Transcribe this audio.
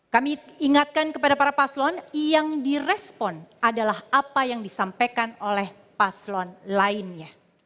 kami ingatkan kepada para paslon yang direspon adalah apa yang disampaikan oleh paslon lainnya